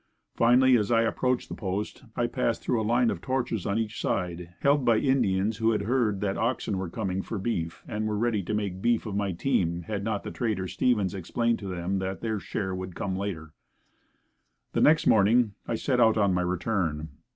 Finally as I approached the post I passed through a line of torches on each side, held by Indians who had heard that oxen were coming for beef and were ready to make beef of my team, had not the trader Stevens explained to them that their share would come later. The next morning I set out on my return.